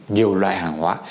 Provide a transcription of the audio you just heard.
nhiều loại hàng hóa